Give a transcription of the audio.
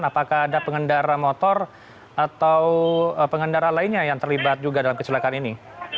apakah ada pengendara motor atau pengendara lainnya yang terlibat juga dalam kecelakaan ini